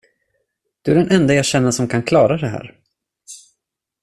Du är den ende jag känner som kan klara det här.